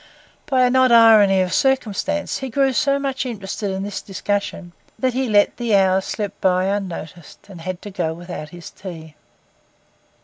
By an odd irony of circumstance, he grew so much interested in this discussion that he let the hour slip by unnoticed and had to go without his tea.